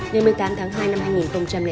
ngày một mươi tám tháng hai năm hai nghìn hai